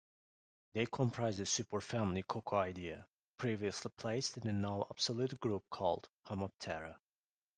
They comprise the superfamily Coccoidea, previously placed in the now obsolete group called "Homoptera".